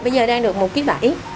bây giờ đang được một bảy kg